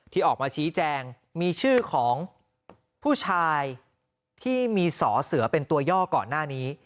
ที่ออกมาชี้แจงมีชื่อของผู้ชายที่มีสอเสือเป็นตัวย่อก่อนหน้านี้